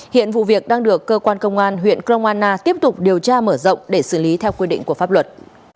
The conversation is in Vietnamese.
hiện vụ việc đang được cơ quan công an huyện cromana tiếp tục điều tra mở rộng để xử lý theo quy định của pháp luật